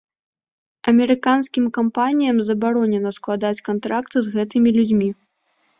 Амерыканскім кампаніям забаронена складаць кантракты з гэтымі людзьмі.